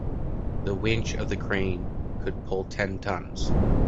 The winch of the crane could pull ten tons.